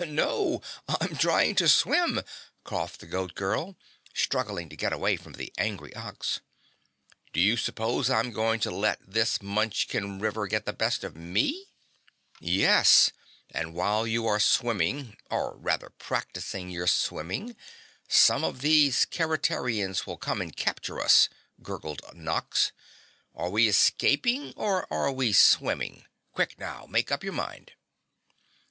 "No, I'm trying to swim," coughed the Goat Girl, struggling to get away from the angry Ox. "Do you suppose I'm going to let this Munchkin River get the best of me?" "Yes, and while you are swimming or rather practicing your swimming some of these Keretarians will come and capture us," gurgled Nox. "Are we escaping or are we swimming quick now, make up your mind."